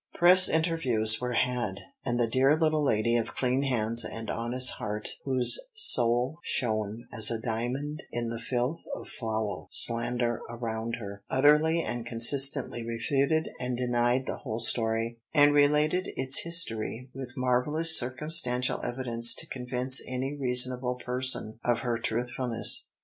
Press interviews were had, and the dear little lady of clean hands and honest heart, whose soul shone as a diamond in the filth of foul slander around her, utterly and consistently refuted and denied the whole story, and related its history with marvellous circumstantial evidence to convince any reasonable person of her truthfulness.